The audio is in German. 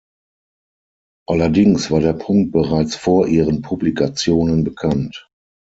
Allerdings war der Punkt bereits vor ihren Publikationen bekannt.